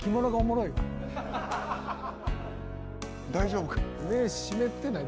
大丈夫かな？